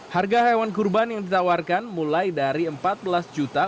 harga hewan kurban yang ditawarkan mulai dari rp empat belas juta